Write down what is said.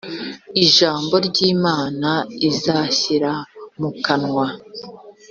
ijambo ry’imana izashyira mu kanwa